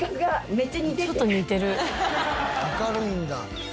明るいんだ。